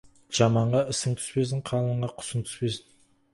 Жаманға ісің түспесін, қалыңға құсың түспесін.